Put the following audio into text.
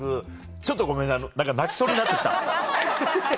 ちょっとごめんね何か泣きそうになって来た。